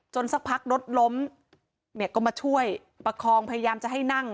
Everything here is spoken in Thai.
สักพักรถล้มเนี่ยก็มาช่วยประคองพยายามจะให้นั่ง